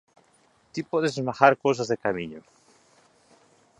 Ti podes esmagar cousas de camiño.